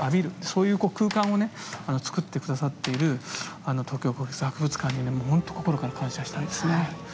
そういう空間をねつくって下さっている東京国立博物館にねほんと心から感謝したいですね。